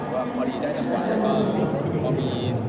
ว่าพอดีได้สบายแล้วจะพอมี